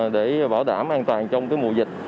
để bảo đảm an toàn trong cái mùa dịch